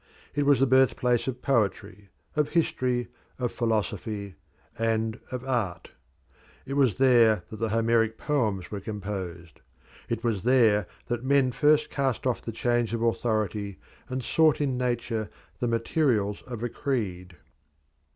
It was the birth place of poetry, of history, of philosophy, and of art. It was there that the Homeric poems were composed. It was there that men first cast off the chains of authority and sought in Nature the materials of a creed.